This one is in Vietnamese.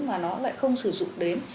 mà nó lại không sử dụng đến